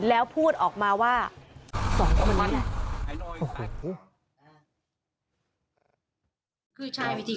แล้วพูดออกมาว่าสองคนเนี้ย